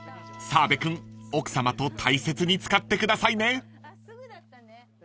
［澤部君奥さまと大切に使ってくださいね］